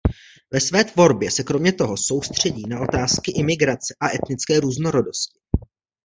Ve své tvorbě se kromě toho soustředí na otázky imigrace a etnické různorodosti.